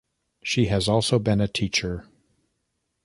She has also been a teacher.